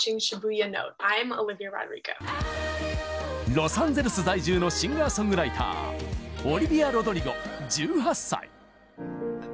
ロサンゼルス在住のシンガーソングライターオリヴィア・ロドリゴ、１８歳。